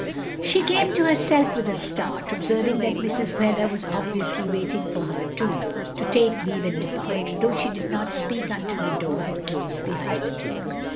She came to herself with a start, observing that Mrs. Wheler was obviously waiting for her too to take leave and depart, though she did not speak until the door had closed behind the Duke.